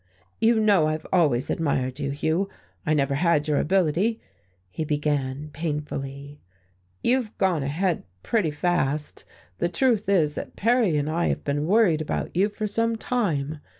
"You know I've always admired you, Hugh, I never had your ability," he began painfully, "you've gone ahead pretty fast, the truth is that Perry and I have been worried about you for some time.